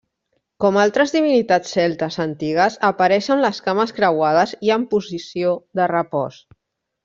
Com altres divinitats celtes antigues apareix amb les cames creuades i en posició de repòs.